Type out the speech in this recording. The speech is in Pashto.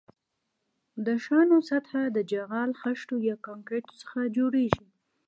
د شانو سطح د جغل، خښتو یا کانکریټو څخه جوړیږي